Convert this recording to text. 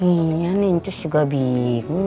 iya nih ncus juga bingung